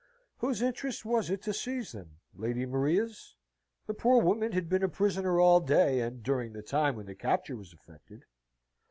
Whose interest was it to seize them? Lady Maria's? The poor woman had been a prisoner all day, and during the time when the capture was effected.